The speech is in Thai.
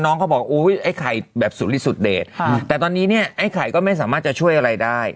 น้องเขาบอกไอ้ไข่แบบสุดลิดเดแต่ตอนนี้ไอ้ไข่ไม่สามารถจะช่วยอะไรได้